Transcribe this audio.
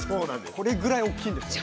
これぐらい大きいんですよね。